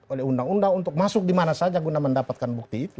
oleh undang undang untuk masuk dimana saja guna mendapatkan bukti itu